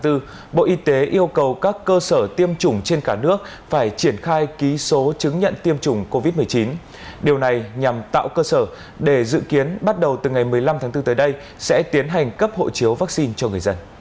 thì các cơ sở tiêm chủng trên cả nước phải triển khai ký số chứng nhận tiêm chủng vaccine covid một mươi chín